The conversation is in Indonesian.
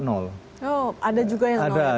ada juga yang ya pak ya